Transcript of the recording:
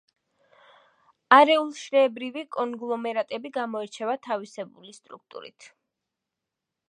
არეულშრეებრივი კონგლომერატები გამოირჩევა თავისებური სტრუქტურით.